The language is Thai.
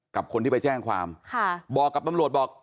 กับคนที่ไปแจ้งความค่ะบอกกับตำรวจบอก